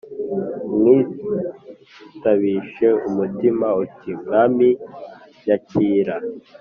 umwitabishe umutima. uti mwami, nyakira !